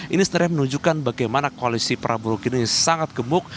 ini sebenarnya menunjukkan bagaimana koalisi prabowo kini sangat gemuk